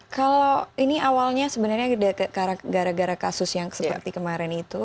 kalau ini awalnya sebenarnya gara gara kasus yang seperti kemarin itu